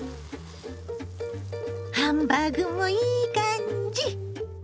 ハンバーグもいい感じ！